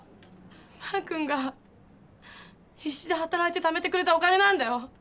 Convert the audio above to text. マー君が必死で働いてためてくれたお金なんだよ！